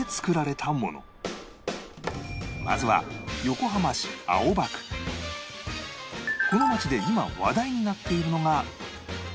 まずはこの街で今話題になっているのが